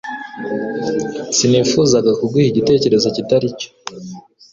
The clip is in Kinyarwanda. Sinifuzaga kuguha igitekerezo kitari cyo